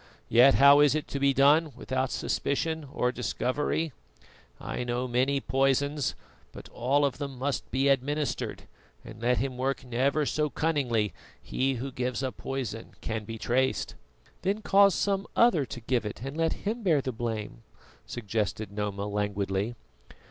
Yet how is it to be done without suspicion or discovery? I know many poisons, but all of them must be administered, and let him work never so cunningly, he who gives a poison can be traced." "Then cause some other to give it and let him bear the blame," suggested Noma languidly.